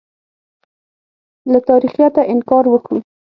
له تاریخیته انکار وکوو.